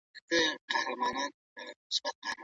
هغه له ځان سره بڼېدله او په تېر وخت یې افسوس کاوه.